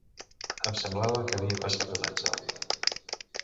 Em semblava que havia passat un àngel.